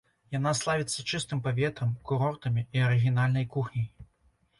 Яна славіцца чыстым паветрам, курортамі і арыгінальнай кухняй.